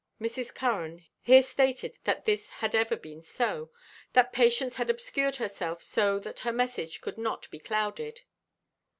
Mr. Curran here stated that this had ever been so; that Patience had obscured herself so that her message could not be clouded.